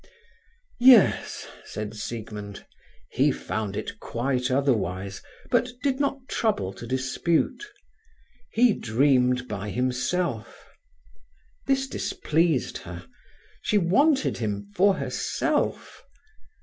"Yes," said Siegmund. He found it quite otherwise, but did not trouble to dispute. He dreamed by himself. This displeased her. She wanted him for herself.